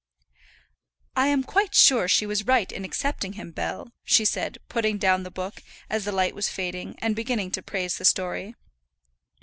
"I am quite sure she was right in accepting him, Bell," she said, putting down the book as the light was fading, and beginning to praise the story.